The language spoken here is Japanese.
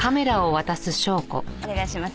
お願いします。